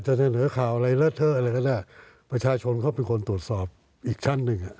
เสนอข่าวอะไรเลอะเทอะอะไรก็ได้ประชาชนเขาเป็นคนตรวจสอบอีกชั้นหนึ่งอ่ะ